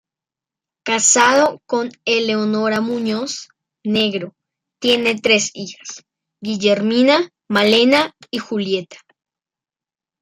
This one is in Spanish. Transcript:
Casado con Eleonora Muñoz Negro, tiene tres hijas: Guillermina, Malena y Julieta.